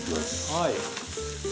はい。